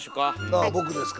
ああ僕ですか。